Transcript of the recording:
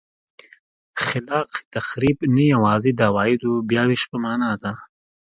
خلاق تخریب نه یوازې د عوایدو بیا وېش په معنا ده.